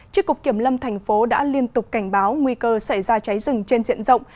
chức cục kiểm lâm thành phố đã liên tục cảnh báo nguy cơ xảy ra cháy rừng trên diện rộng